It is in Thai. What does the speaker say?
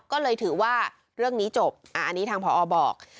ก็เลยถือว่าเรื่องนี้จบอันนี้ทางพอบอก